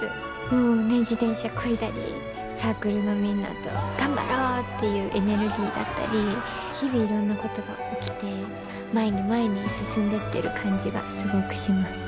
もうね自転車こいだりサークルのみんなと頑張ろうっていうエネルギーだったり日々いろんなことが起きて前に前に進んでってる感じがすごくします。